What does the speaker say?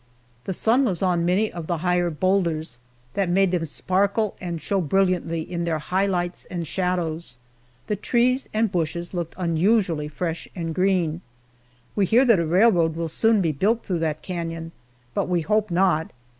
The sun was on many of the higher boulders, that made them sparkle and show brilliantly in their high lights and shadows. The trees and bushes looked unusually fresh and green. We hear that a railroad will soon be built through that canon but we hope not.